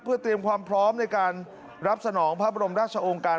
เพื่อเตรียมความพร้อมในการรับสนองพระบรมราชองค์การ